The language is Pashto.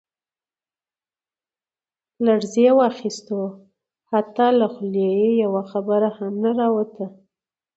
لړزې واخستو حتا له خولې يې يوه خبره هم را ونوته.